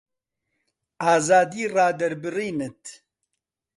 ئازادی ڕادەربڕینت